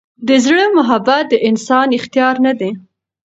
د زړه محبت د انسان اختیار نه دی.